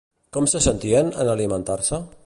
Com se sentien en alimentar-se?